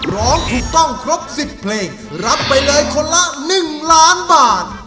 ร้องถูกต้องครบ๑๐เพลงรับไปเลยคนละ๑ล้านบาท